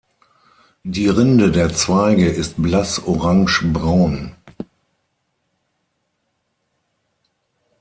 Die Rinde der Zweige ist blass orange-braun.